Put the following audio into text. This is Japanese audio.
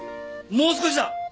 もう少しだ！